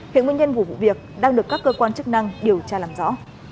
hiện nguyên nhân của vụ việc đang được các cơ quan chức năng điều tra làm rõ